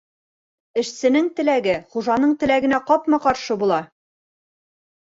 Эшсенең теләге хужаның теләгенә ҡапма-ҡаршы була.